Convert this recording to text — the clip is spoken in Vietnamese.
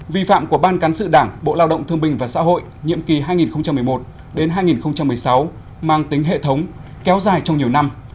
vi phạm của ban cán sự đảng bộ lao động thương bình và xã hội nhiệm kỳ hai nghìn một mươi một hai nghìn một mươi sáu mang tính hệ thống kéo dài trong nhiều năm